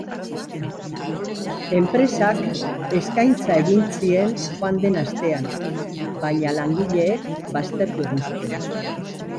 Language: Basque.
Enpresak eskaintza egin zien joan den astean, baina langileek baztertu egin zuten.